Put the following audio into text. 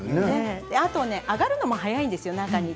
あと揚がるのも早いですよ